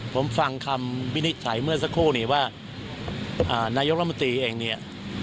ผมฟังคำวินิจฉัยเมื่อสักครู่นี้ว่านายกรมนตรีเองเนี่ย